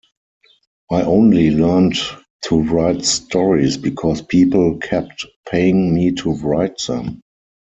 I only learned to write stories because people kept paying me to write them.